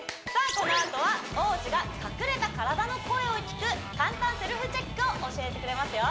このあとは王子が隠れた体の声を聴く簡単セルフチェックを教えてくれますよ